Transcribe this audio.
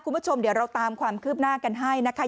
คุณผู้ชมเดี๋ยวเราตามความคืบหน้ากันให้นะคะ